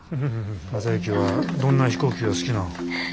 正行はどんな飛行機が好きなん？